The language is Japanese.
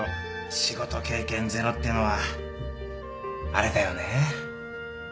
仕事経験ゼロっていうのはあれだよねぇ